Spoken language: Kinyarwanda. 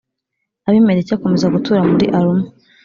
Abimeleki akomeza gutura muri Aruma